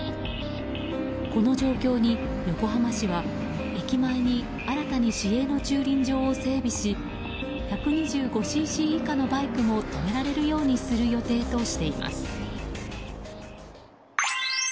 この状況に横浜市は、駅前に新たに市営の駐輪場を整備し１２５ｃｃ以下のバイクも止められるようにする予定としています。